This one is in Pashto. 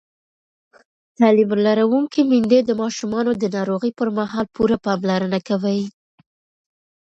تعلیم لرونکې میندې د ماشومانو د ناروغۍ پر مهال پوره پاملرنه کوي.